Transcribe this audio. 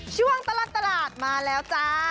ช่วงตลอดตลาดมาแล้วจ้า